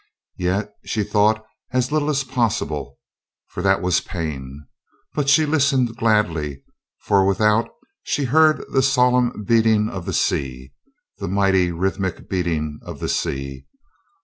Yet she thought as little as possible, for that was pain; but she listened gladly, for without she heard the solemn beating of the sea, the mighty rhythmic beating of the sea.